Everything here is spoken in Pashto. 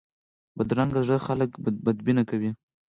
بدرنګه زړه خلک بدبینه کوي